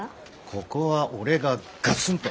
ここは俺がガツンと。